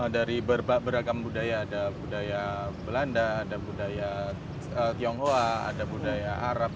dari beragam budaya ada budaya belanda ada budaya tionghoa ada budaya arab